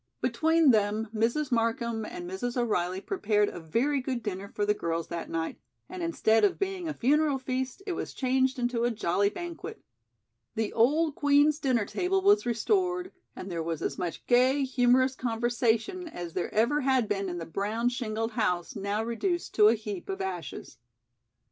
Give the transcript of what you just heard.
Between them, Mrs. Markham and Mrs. O'Reilly prepared a very good dinner for the girls that night, and instead of being a funeral feast it was changed into a jolly banquet. The old Queen's dinner table was restored and there was as much gay, humorous conversation as there ever had been in the brown shingled house now reduced to a heap of ashes.